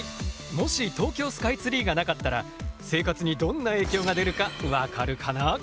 もし東京スカイツリーがなかったら生活にどんな影響が出るか分かるかな？